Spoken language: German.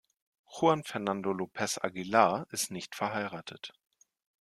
Juan Fernando López Aguilar ist nicht verheiratet.